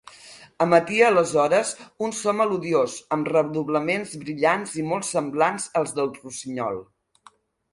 Emetia, aleshores, un so melodiós, amb redoblaments brillants, molt semblants als del rossinyol.